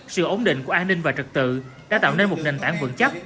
sự ổn định của an ninh và trực tự đã tạo nên một nền tảng vững chấp